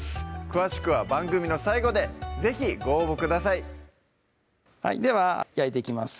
詳しくは番組の最後で是非ご応募くださいでは焼いていきます